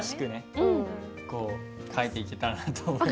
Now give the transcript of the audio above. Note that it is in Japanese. こう書いていけたらなと思います。